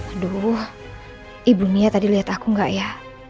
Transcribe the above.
aduh ibu nia tadi liat aku nggak ya